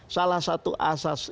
salah satu asas